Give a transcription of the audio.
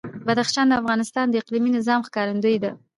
بدخشان د افغانستان د اقلیمي نظام ښکارندوی ده.